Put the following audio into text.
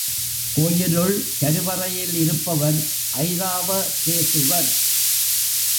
கோயிலுள் கருவறையில் இருப்பவர் ஐராவதேசுவர்.